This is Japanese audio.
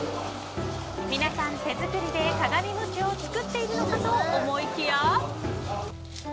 皆さん手作りで鏡餅を作っているのかと思いきや。